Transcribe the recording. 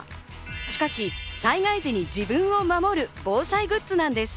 しかし災害時に自分を守る防災グッズなんです。